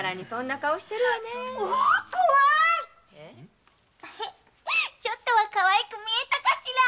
怖いわちょっとはかわいく見えたかしら？